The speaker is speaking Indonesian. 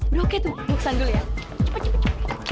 udah oke tuh gue kesan dulu ya cepet cepet